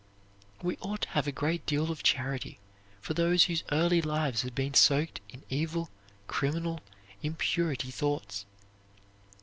We ought to have a great deal of charity for those whose early lives have been soaked in evil, criminal, impurity thoughts.